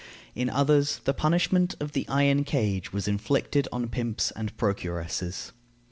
In others, the punishment of the iron cage was inflicted on pimps and procuresses.